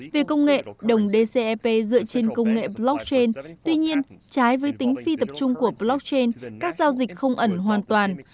về công nghệ đồng dcep dựa trên công nghệ blockchain tuy nhiên trái với tính phi tập trung của blockchain các giao dịch không ẩn hoàn toàn